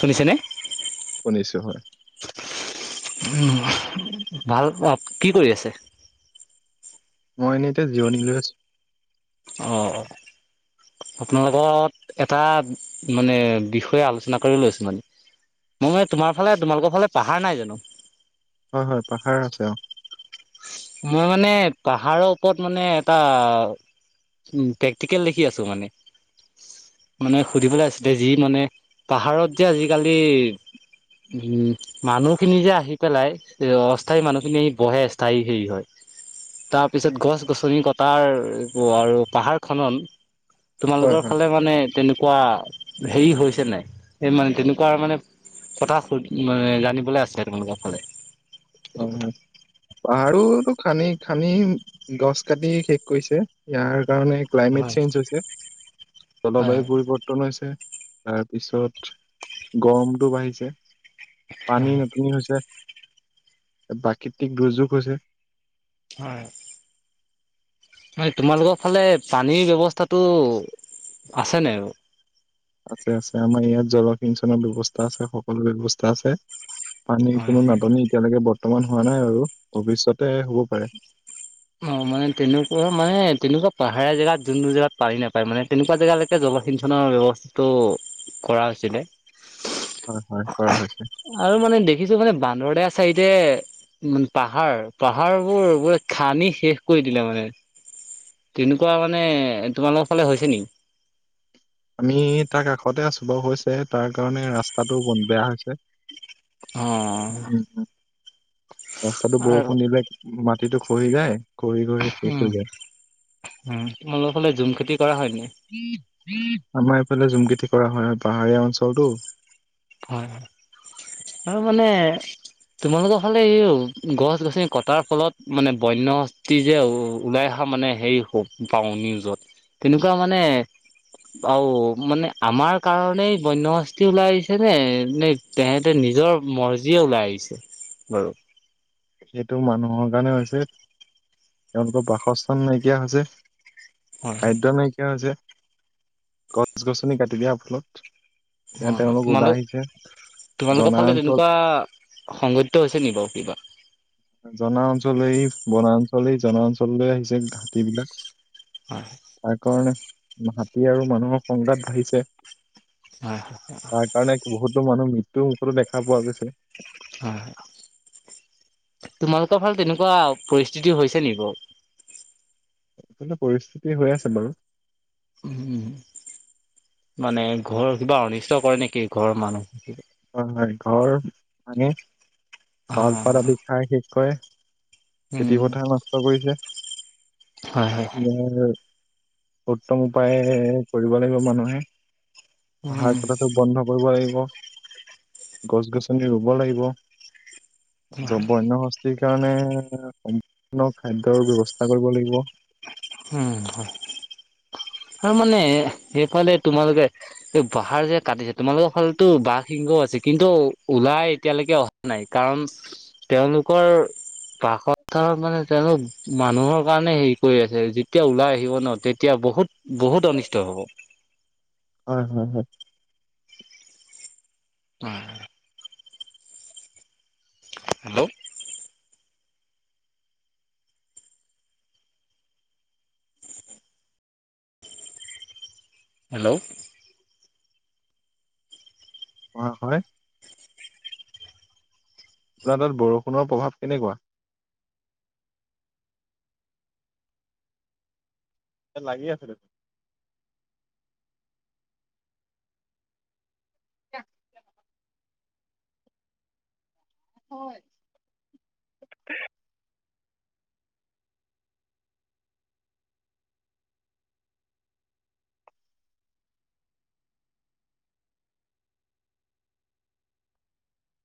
শুনিছেনে? শুনিছোঁ হয়। উম ভাল কি কৰি আছে। মই এনেই এতিয়া জিঅনিলৈ আছো। অ। আপোনালালোকত এটা মানে বিষয়ে আলোচনা কৰি লৈছোঁ মানে। মই তোমাৰ ফালে তোমালোকৰ ফালে পাহাৰ নাই জানো। হয় হয় পাহাৰ আছে অ। মই মানে পাহাৰৰ ওপৰত মানে এটা। উম প্ৰেক্টিকেল দেখি আছো মানে মানে সুধিবলৈ আছিল যি মানে। পাহাৰত যে আজিকালি উম মানুহ খিনি যে আহি পেলাই। এ অস্থায়ী মানুহখিনি বহে স্থায়ী। হেৰি হয় তাৰপিছত গছ গছনি কটাৰ আৰু পাহাৰ খন। হয় তোমালোকৰ হয় ফালে মানে তেনেকুৱা। হেৰি হৈছে নাই এই মানে তেনেকুৱা মানে। কথা জানিবলৈ আছে তোমালোকৰ ফালে। এইটো কথা অ'। আৰুো খানি খানি গছ কাটি শেষ কৰিছে ইয়াৰ। কাৰণে ক্লাইমেট চেঞ্জ হৈছে জলবায়ু পৰিৱৰ্তন হৈছে। তাৰপিছত গৰমতটো বাঢ়িছে। পানী নতুনি হৈছে প্ৰাকৃতিক দুৰ্যোগ হৈছে। হয়। ন তোমালোকৰ ফালে পানীৰ ব্যৱস্থাটো আছে নাই ব। আছে আছে আমাৰ ইয়াত জলসিঞ্চনৰ ব্যৱস্থা আছে সকলো ব্যৱস্থা আছে। পানি কোনো নাটনি এতিয়ালৈকে বৰ্তমান হোৱা নাই আৰু ভৱিষয়তে হব পাৰে। অ' মানে তেনেকুৱা মানে তেনেকুৱা পাহাৰীয়া জেগাত যোন জেগাত পানী নাপায় মানে তেনেকুৱা জেগালৈকে যাব। পতিথনৰ ব্যৱস্থাটো কৰা হৈছিলে। হয় হয় কৰা হৈছে আৰু মানে দেখিছো মানে বান্দৰতে আ চাইডে পাহাৰ পাহাৰ বোৰ ব খানি শেষ কৰি দিলে মানে। তেনেকুৱা মানে তোমালোকৰ ফালে হৈছে নেকি। আমি তাৰ কাষতে আছোঁ বাৰু হৈছে তাৰ কাৰণে ৰাস্তাটো ব বেয়া হৈছে। অ উম ৰাস্তাটো আৰু বৰষুণ দিলে মাত। মাটিটো খহি যায়। খহি খহি শেষ হৈ উম যায়। উম তোমালোকৰ ফালে জুম খেতি কৰা হয় নে? আমাৰ এইফালে জুম খেতি কৰা হয়। পাহাৰীয়া অঞ্চলটো হয় হয় আৰু মানে তোমালোকৰ হ'লে হও গছ -গছনি কটাৰ ফলত মানে বন্য হাতী যে ওলায়। ক মানে হেৰি হ পাওঁ নিউজত তেনেকুৱা মানে। অ' মানে আমাৰ কাৰণেই বন্যশাস্তি ওলাইছে। নে এ তেহেঁতে নিজৰ মৰ্জিয়ে ওলাই আহিছে বাৰু। সেইটো মানুহৰ কাৰণে হৈছে তেওঁলোকৰ বাসস্থান নাইকিয়া হৈছে। হয়, হয়। খাদ্যই নাইকিয়া হৈছে, গছ -গছনি কাটি দিয়া ফলত। এ অ', তেওঁলোক ওলাই তোমালোক আহিছে। তোমালোকৰ জনা ফালে অঞ্চল তেনেকুৱা সংঘটিত হৈছে নিকি বাৰু কিবা। জনা অঞ্চলেই বনাঞ্চলেই জনা অঞ্চললৈ আহিছে ঘাটী বিলাক। হয়, তাৰ কাৰণে হাতী আৰু মানুহৰ সংঘাত বাঢ়িছে। হয়, তাৰ কাৰণে বহুতো মানুহ মৃত্যুৰ মুখতো দেখা পোৱা গৈছে। হয় হয়। তোমালোকৰ ফালে তেনেকুৱা পৰিস্থিতি হৈছে নিকি বাৰু। সেইটো পৰিস্থিতি হৈ আছে বাৰু। উ মানে ঘৰৰ কিবা অনিষ্ট কৰে নেকি ঘৰৰ মানুহ? হয় হয় ঘৰ মানে অ চাউলপাত আদি খাই শেষ কৰে। উম খেতি পথাৰ নষ্ট কৰিছে হয় হয় উত্তম উপায় কৰিব লাগিব মানুহে উম পাহাৰ কতাটো বন্ধ কৰিব লাগিব। গছ -গছনি ৰুব লাগিব উম হয় জম [inaudible] যি কাৰণে সম্পূৰ্ণ খাদ্যৰ ব্যৱস্থা কৰিব লাগিব। উম! হয়। আৰু মানে সেইফালে তোমালোকে এই পাহাৰ যে কাটিছে তোমালোকৰ ফালেতো বাঘসিংহ, আছে কিন্তু ওলাই এতিয়ালৈকে অহা নাই কাৰণ। তেওঁলোকৰ বাসত মানে তেওঁলোক মানুহৰ কাৰণে হেৰি কৰি আছে যি এতিয়া ওলাই আহিব ন তেতিয়া বহুত বহুত অনিষ্ট হ'ব। হয় হয় হয়। হয়। হেল্ল'? হেল্ল'? অ'! হয়। আপোনাৰ তাত বৰষুণৰ প্ৰভাৱ কেনেকুৱা? এ, লাগি আছে দেখোন। হয়। [unintelligible]